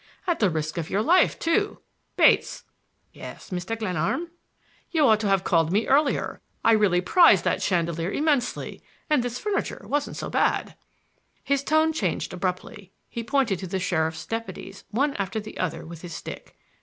At the risk of your life, too! Bates!" "Yes, Mr. Glenarm." "You ought to have called me earlier. I really prized that chandelier immensely. And this furniture wasn't so bad!" His tone changed abruptly. He pointed to the sheriff's deputies one after the other with his stick.